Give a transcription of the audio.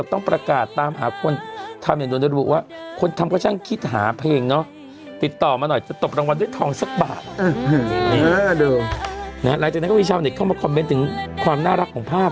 สักบาทเออดูนะฮะหลายจากนั้นก็มีชาวเนี้ยเข้ามาคอมเมนต์ถึงความน่ารักของภาพ